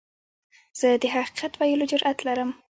زه د حقیقت ویلو جرئت لرم.